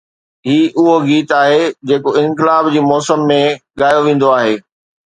هي اهو گيت آهي جيڪو انقلاب جي موسم ۾ ڳايو ويندو آهي.